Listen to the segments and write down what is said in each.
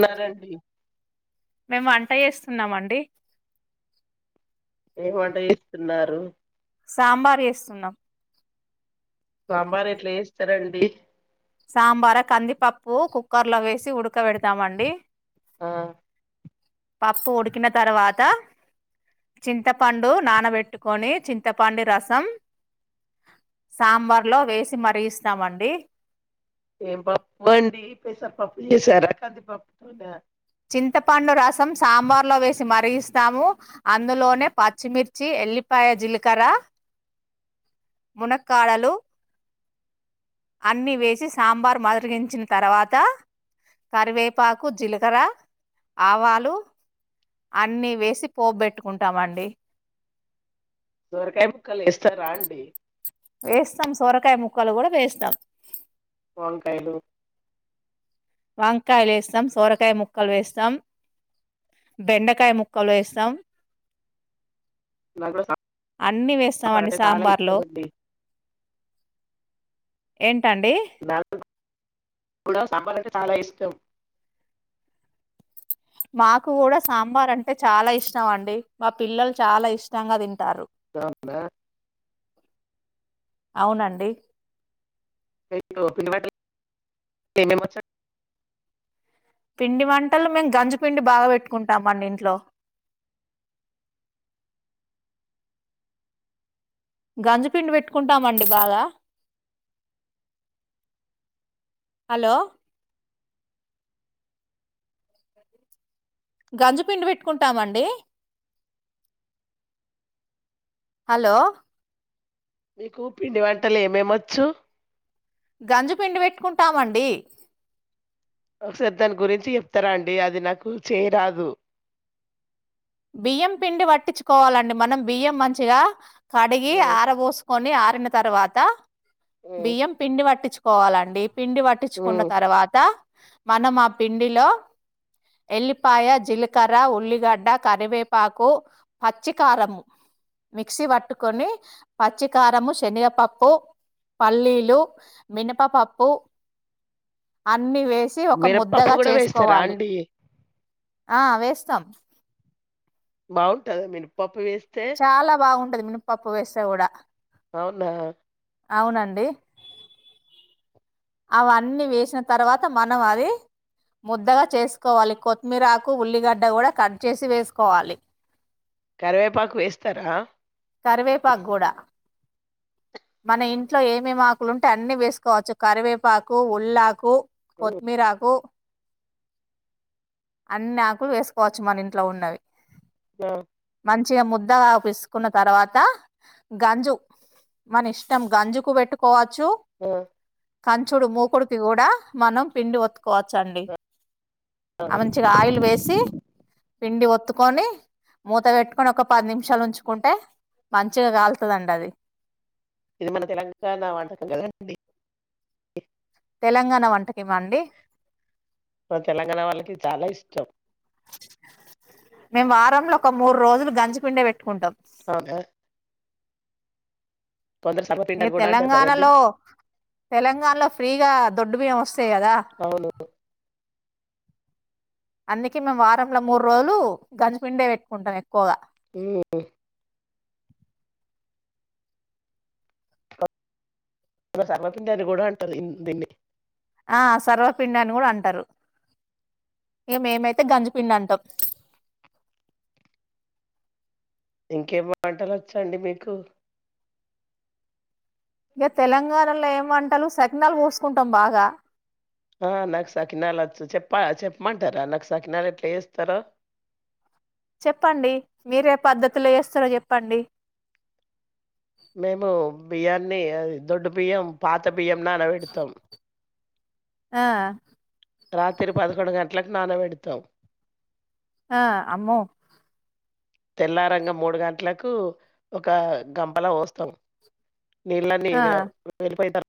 న్నారండి మేం వం ట్రై చేస్తున్నామండి. ఏం వంట చేస్తున్నారు సాంబార్ చేస్తున్నాం సాంబార్ ఎట్ల చేస్తారండి సాంబార కందిపప్ ప్పు కుక్కర్ల వేసి ఉడకబెడతామండి. ఆ పప్పు ఉడికిన తర్వాతా చింతపండు నానబెట్టుకొని చింతపండు రసం సాంబార్లో వేసి మరిగిస్తామండి. ఏం పప్పు అండి పెసర్ పప్పు చేసారా కంది పప్పుతోనా చింతపండు స్తాము అందులోనే పచ్చిమిర్చి, ఎల్లిపాయ, జీలకర్ర మునక్కాడలు అన్ని వేసి సాంబార్ మదరిగించిన తర్వాత కరివేపాకు, జిలకర, ఆవాలు అన్నీ వేసి పోప్బెట్టుకుంటామండి. సోరకాయ ముక్కల్ ఏస్తారా అండి వేస్తం సొరకాయ ముక్కలు గూడ వేస్తాం. వంకాయలు వంకాయలేస్తాం, సోరకాయ ముక్కలు వేస్తాం, బెండకాయ ముక్కలు ఏస్తాం. నెల్రోజులు సామ్ అన్నీ వేస్తామండి సాంబార్లో. అండి ఏన్ టండి? లో సాంబార్ అంటే చాలా ఇష్టం. మాకు కూడ సాంబార్ అంటే చాలా ఇష్టం అండి, మా పిల్లలు చాల ఇష్టంగా తింటారు. [unintelligible] అవునండి. మీకు పిండి వంటలు ఏం ఏం వచ్చండి? పిండి వంటలు, మేము గంజి పిండి బాగ పెట్టుకుంటామండి ఇంట్లో. గంజి పిండి పెట్టుకుంటామండి బాగా, హలో గంజి పిండి పెట్టుకుంటామండి, హలో మీకు పిండి వంటలు ఏమేమొచ్చు? గంజి పిండి పెట్టుకుంటామండి. ఒకసారి దాని గురించి చెప్తరా అండి? అది నాకు చేయరాదు. బియ్యం పిండి పట్టిచ్చుకోవాలండి మనం, బియ్యం మంచిగా. కడిగి ఆరబోసుకొని ఆర్ ట్టిన తర్వాత బియ్యం పిండి పట్టిచ్చు కోవాలండి. పిండి పట్టిచ్చుకున్న తర్వాత, మనం ఆ పిండిలో ఎల్లిపాయ, జిలకర్ర, ఉల్లిగడ్డ. కరివేపాకు, పచ్చికారం మిక్సీ పట్టుకొని పచ్చికారం, శనగపప్పు పల్లీలు, మినపపప్పు. ఆ అన్ని వేసి, ఒక మినపప్పు ముద్దగా కూడా వేస్తారా చేసుకోవాలి. అండి ఆ వేస్తాం. బాగుంటదా మినప్పప్పు వేస్ చాలా బాగుంట్ మినప్పప్పు వేస్తే గూడ అవునా! అవునండి. అవన్నీ వేసిన తర్వాత మనం అది, ముద్దగా చేసుకోవాలి. కొత్మీరాకు, ఉల్లిగడ్డ కూడ కట్ చేసి వేసుకోవాలి. కరివేపాకు వేస్తరా? కరివేపాగ్గూడ. మన ఇంట్లో ఏమేమ్ ఆకులు ఉంటే అన్ని వేసుకోవచ్చు. కరివేపాకు, ఉల్లాకు. ఉమ్, కొత్మిరాకు. అన్నాకులు వేసుకోవచ్చు, మన ఇంట్లో ఉన్నవి. ఆహ్ మంచిగా ముద్దగా పిస్కున్న తర్వాత, గంజు మన ఇష్టం గంజుకు పెట్టుకోవచ్చు. ఆ కంచుడు మూకుడుకి కూడా మనం పిండి ఒత్తుకోవచ్చు అండి ఆ మంచిగా ఆయిల్ వేసి పిండి ఒత్తుకొని మూత పెట్టుకొని ఒక పది నిమిషాలు ఉంచుకుంటే మంచిగా కాలుతదండి అది ఇది మన తెలంగాణ వంటకం కదండి ఇ తెలంగాణ వంటకమే అండి మా తెలంగాణ వాళ్ళకి చాలా ఇష్టం మేము వారంలో ఒక మూడు రోజులు గంజి పిండే పెట్టుకుంటాం కాదా ఏ అని కూడా అంటారు కదండి తెలంగాణలో తెలంగాణలో ఫ్రీగా దొడ్డు బియ్యం వస్తాయి కదా అవును అందుకే మేము వారంలో మూడు రోజులు గంజిపిండే పెట్టుకుంటాం ఎక్కువగా ఏ సర్వపిండి కూడా అంటారు దీన్ని ఆ సర్వపిండి అని కూడా అంటారు ఇగా మేమైతే గంజిపిండి అంటాం ఇంకేం మాటలు వచ్చాండి మీకు ఇంక తెలంగాణలో ఏం వంటలు సెకన్లు పోసుకుంటాం బాగా ఆ నాకు సకినాలు చేపల చెప్ప మంటారా ఆలకి సకినాలు ఎట్లా వేస్తారో చెప్పండి మీరే పద్ధతులో చేస్తారో చెప్పండి మేము బియ్యాన్ని అ దొడ్డు బియ్యం పాత బియ్యం నాన పెడతాం ఆ రాత్రి పదకొండు గం గంటలకు నానా పెడుతావ్ ఆ అమ్మో తెల్లారంగ మూడు గంటలకు ఒక గంపల పోస్తాం నీళ్ళన్నీ ఆ వే వెళ్ళిపోయిటర్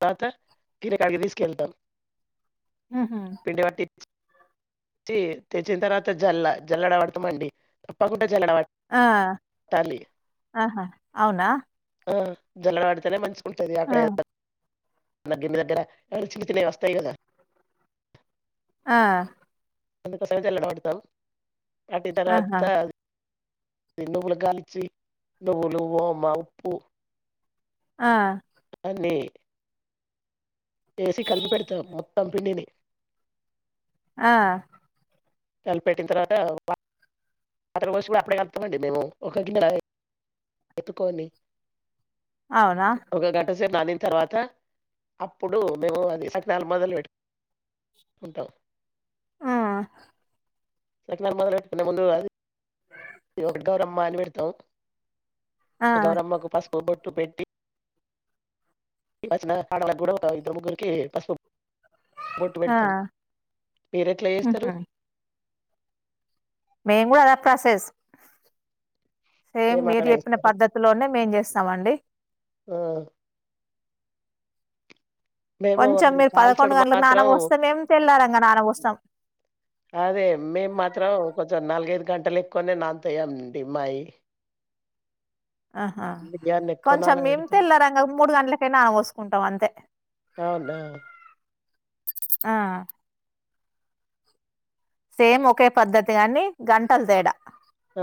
తర్వాత కిరాణాకి తీసుకెళ్తాం ఉహుమ్ తి తెచ్చిన తర్వాత జల్ల జల్లడవడతమండి తప్పకుం ఆ ఆహా అవునా జలలాడితేనే మంచి ఉంటుంది గా ఆ! ప్రయోజ దగ్గర దగ్గర ఏమైనా చిన్ని చినయి వస్తాయి కదా ఆ అందు కోసం జల్లెడ పడతాం వాటి ఆహా! తర్వాత నువ్వులు గాలిచ్చి నువ్వులు వొమా ఉప్పు ఆ నే ఎసి కలిపి పెడతాం మొత్తం పిండిని ఆ కలిపి పెట్టిన తర్వాత వాటర్ పోషి కూడా అప్పుడే కలుపుతమండి మేము ఒక గిన్నాల ఒత్తుకొని అవునా? ఒక గంట సే మంచి గ నానిన తర్వాత అప్పుడు మేము అది సకినాలు మొదలు పెట్టుకుంటాం ఆ సకినాలు మొదలు పెట్టుకునే ముందు అది ఇ ఒకటి గౌరమ్మా అని పెడతాం ఆ! గౌరమ్మకు పసుపు బొ ట్టు పెట్టి ఓ చిన్నగా ఆడలాకూడా ఒక ఇద్దర్ ముగ్గురుకి పస్పు బొట్టు ఆ! పెడతాం మీరు ఎట్లా చేస్తారు హుహు. మేము కూడా అద ప్రాసెస్ సేమ్ మీరు అట్లనే చెప్పిన చేస్తారా పద్ధతిలోనే మేం చేస్తామండి ఆ మేము కొంచెం మీరు పదకొండు కాల్చుడు గంట్లకు మాత్రం నానభోస్తె తెళ్లారంగా నాన బోస్తాం అదే మేము మాత్రం కొంచ నాలుగైదు గంటలు ఎక్కువనే నాన్ తయ్యండి మాయి ఆహా బియ్యాన్ని ఎక్కువ కొంచెం మేమి నానబెడతాం తెల్లారంగ మూడు గంటలకె నాన బోసుకుంటాం అంతే అవునా ఆ సేమ్ ఒకే పద్ధతి గని గంటల్ తేడా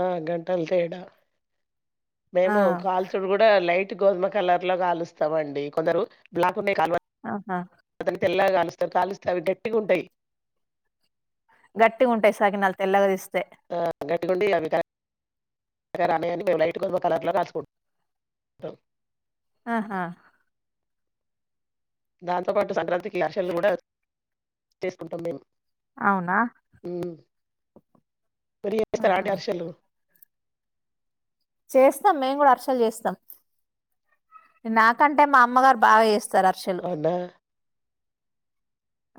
ఆ గంటలు తేడా ఆ! మేము కాల్చుడు కూడా లై గోధుమ కలర్ లో కాగాలుస్తామండి కొందరు బ్లాక్ కునే కాల్వ ఆహా! తెల్లాగా కాలుస్తా కాలుస్తా అవి గట్టిగా ఉంటాయి గట్టి ఉంటయి సకినాలు తెల్లగదేస్ ఆ గడిగుండి అమికా రామయన్ని మేం లాయిట్కు కలర్ల రాసుకుంటం ఆహా దాంతో పాటు సంక్రాంతికి అర్షలు కూడా చేసుకుంటాం మేము అవునా మిరి ఆహా! చేస్తరాండి అర్షలు చేస్తాం మేము కూడా అర్షలు చేస్తాం నాకంటే మా అమ్మగారు బాగా చేస్ సరర్షలు. అవునా!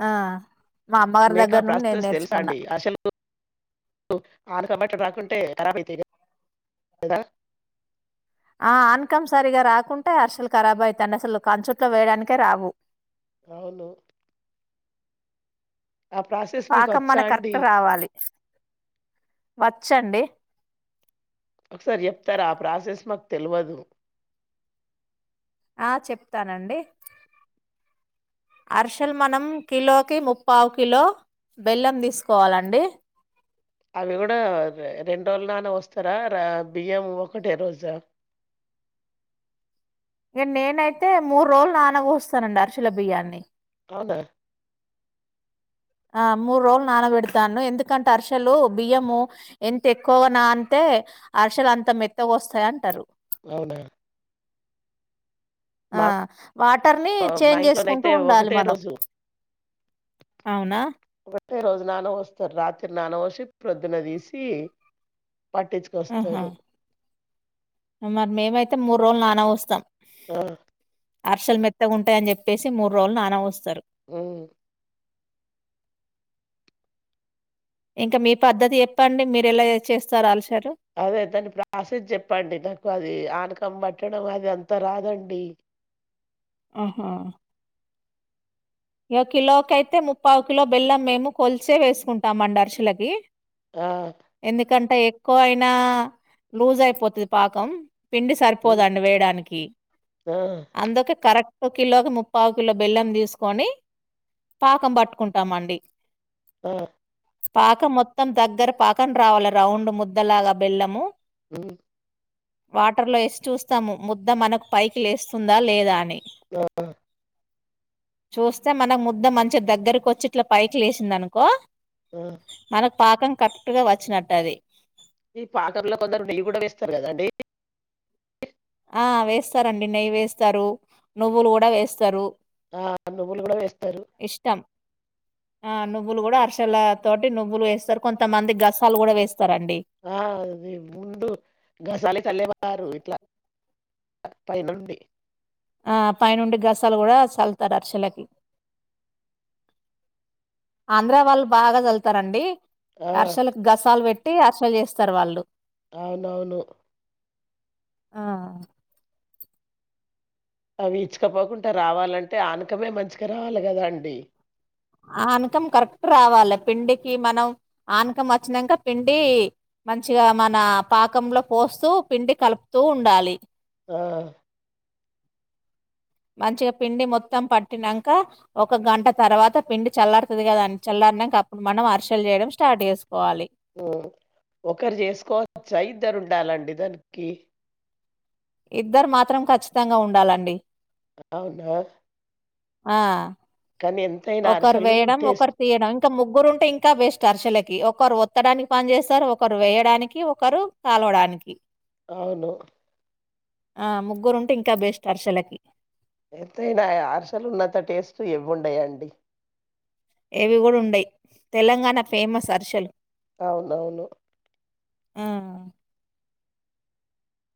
ఆ. మా అమ్మగారి దగ్గర నుండి నేను నేర్చుకున్నా. ఆనకాబట్ట రాకుంటే ఖరాబ్ అవుతాయి కదా కదా. ఆ ఆన్కంసరిగా రాకుంటే అర్సలుఖరాబ అయితానై అసలు కాల్చుట్లో వేయడానికే రావు. అవును. ఆ ప్రాసెస్ పాకం మన మీకొచ్చా అండి? కరెక్ట్ రావాలి. వచ్చండి. ఒకసారి చెప్తార ఆ ప్రాసెస్ మాకు తెల్వదు. ఆ చెప్తానండి అర్సలు మనం కిలోకి ముప్పవు కిలో బెల్లం తీసుకోవాలండి. అవి కూడా రెండు రోజులు నాన బొస్తరా బియ్యం ఒకటే రోజా. ఇక నేనైతే మూడు రోజులు నాన బోస్తానండి అరుచుల బియ్యాన్ని. అవునా. ఆ మూడు రోజులు నానబెడతాను ఎందుకంటే అరసలు బియ్యము ఎంత ఎక్కువ నానితే అర్షలు అంత మెత్తగ వస్తాయి అంటారు. అవునా. ఆ మా వాటర్ ని మా చేంజ్ చేసుకుంటూ ఇంట్లోనైతే ఉండాలి ఒకటే మనం. రోజు ఒకటి రోజు నానబోస్తారు రాత్రి నానబొసి ప్రొద్దున తీసి. ఆహా పట్టిచ్చుకొస్తారు. మరి మేమైతె మూడు రోజులు నానబోస్తాం. ఆ. అర్సలు మెత్తగుంటయని చెప్పేసి మూడు రోజులు నానబొస్తరు. ఉమ్. ఇంకా మీ పద్దతి చెప్పండి మీరు ఎలా చేస్తారు హర్షలు. అదే దాన్ని ప్రాసస్ చెప్పండి నాకు అది ఆనకం బట్. పెట్టడం అది అంత రాదండి. ఆహా. ఇగ కిలోకి ఐతె ముప్పై కిలో బెల్లం మేము కొలిచే వేసుకుంటాంమండి అరుషాలకి. ఆ ఎందుకంటే. ఎకువ అయినా లూజ్ అయిపోతది పాకం. పిండి ఉమ్ సరిపోదండి వేయడానికి ఆ అందుకే కరెక్ట్. ఒక కిలోకి ముప్పావు కిలో బెల్లం తీసు. కోని పాకం పట్టుకుంటామండి. ఆ. పాకం మొత్తం దగ్గర పాకం రావాలి రౌండ్ ముద్దలాగా బెల్లము. ఉమ్. వాటర్లో ఎసి చూస్తాము ముద్ద మనకు పైకి లేస్తుందా లేదా అని. ఆ. చూస్తే మనకు ముద్ద మంచి దగ్గరకు వచ్చి ఇట్లా పైకి లేసిందనుకో. ఆ. మనకు పాకం కరెక్ట్ గా వచ్చినట్టు అది. ఈ పాకరులో కొందరు నెయ్యి కూడ వేస్తారు కదండి ఆ వేస్తారండి నెయ్యి వేస్తారు నువ్వులు కూడ వేస్తారు ఆ నువ్వులు కూడా వేస్తారు ఇష్టం. ఆ నువ్వులు కూడా అరసల తోటి నువ్వులు వేస్తారు కొంతమంది గసాలు కూడ వేస్తారు ఆ అది ఉండు గసాల కల్లేవారు ఇట్లా పై నుండి ఆ పైనుండి గసాలు కూడా చల్తారు అరిసలకి ఆంధ్ర వాళ్ళు బాగా చలుతారండి ఆ అరసలకు గసాలు బెట్టి అరిసెలు చేస్తారు వాళ్ళు అవునవును ఆ అవి ఇచ్చుకపోకుండా రావాలంటే ఆనుకపోయి మంచిగా రావాలి కదా అండి ఆనకం కరెక్ట్ రావాలి పిండికి మనం ఆనకం వచ్చినాక పిండి మంచిగా మన పాకంలో పోస్తూ పిండి కలుపుతూ ఉండాలి ఆ మంచిగా పిండి మొత్తం పట్టినాక ఒక గంట తర్వాత పిండి చల్లారుతుంది కదాని చల్లారినాక అప్పుడు మనం అరిసెలు చేయడం స్టార్ట్ చేసుకుం ఒకరు చేసుకోవచ్చా ఇద్దరు ఉండాలండి దానికి ఇద్దరు మాత్రం కచ్చితంగా ఉండాలండి అవునా ఆ కానీ ఎంతైనా ఒకరు అరిసెలు వేయడం టేస్ట్ ఒకరు తీయడం ఇంకా ముగ్గురు ఉంటే ఇంకా బెస్ట్ అరిసెలకి ఒకరు ఒత్తడానికి పని చేస్తారు ఒకరు వేయడానికి ఒకరు కలవడానికి అవును ఆ ముగ్గురుంటే ఇంకా బెస్ట్ అరిసెలకి ఎంతైనా అరిసెలు ఉన్నంత టేస్ట్ ఏవి ఉండవండి ఏవి కూడా ఉండయి తెలంగాణ ఫేమస్ అరిసెలు అవునవును ఆ!